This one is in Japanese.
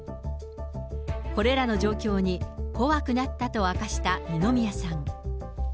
これらの状況に、怖くなったと明かした二宮さん。